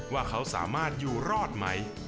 ว่าเขาสามารถอยู่รอดไหม